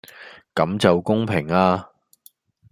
咁就公平呀